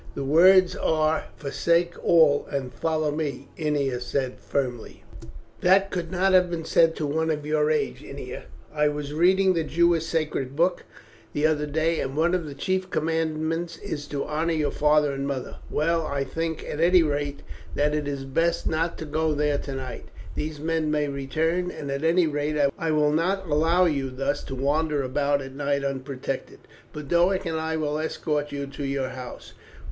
"The words are 'Forsake all, and follow Me,'" Ennia said firmly. "That could not have been said to one of your age, Ennia. I was reading the Jewish sacred book the other day, and one of the chief commandments is to honour your father and mother. Well, I think, at any rate, that it were best not to go there tonight. These men may return, and at any rate I will not allow you thus to wander about at night unprotected. Boduoc and I will escort you to your house.